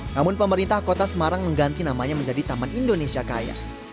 namun pemerintah kota semarang mengganti namanya menjadi taman indonesia kaya